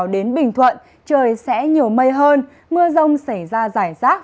đến bình thuận trời sẽ nhiều mây hơn mưa rông xảy ra giải rác